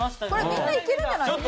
みんないけるんじゃないですか？